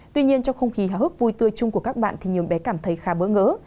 tuy nhiên trong không khí háo hức vui tươi chung của các bạn thì nhiều bé cảm thấy khá bỡ ngỡ